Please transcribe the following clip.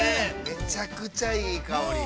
めちゃくちゃ、いい香り。